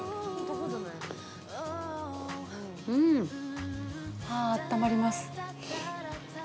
うん、はぁー、あったまります。